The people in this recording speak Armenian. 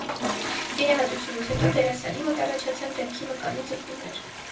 Վիրահատությունից հետո դերասանի մոտ առաջացան դեմքի մկանի ձգումներ։